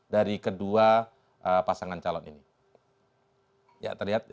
dari kedua pasangan calon ini